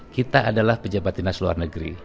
kita adalah pejabat dinas luar negeri